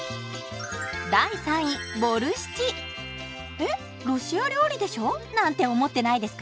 「えっロシア料理でしょ？」なんて思ってないですか？